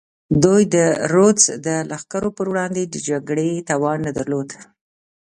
دوی د رودز د لښکرو پر وړاندې جګړې توان نه درلود.